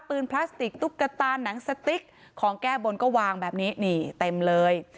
พลาสติกตุ๊กตาหนังสติ๊กของแก้บนก็วางแบบนี้นี่เต็มเลย